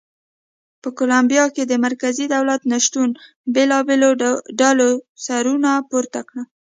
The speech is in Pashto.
په کولمبیا کې د مرکزي دولت نه شتون بېلابېلو ډلو سرونه پورته کړل.